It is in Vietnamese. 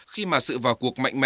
khi mà sự vào cuộc mạnh mẽ